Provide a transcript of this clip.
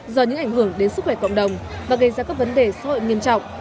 do những ảnh hưởng đến sức khỏe cộng đồng và gây ra các vấn đề xã hội nghiêm trọng